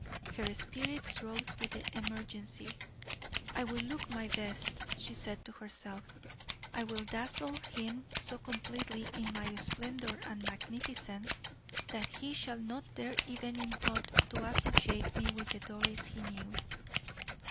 Her spirits rose with the emergency. "I will look my best," she said to herself; "I will dazzle him so completely in my splendor and magnificence that he shall not dare even in thought to associate me with the Doris he knew."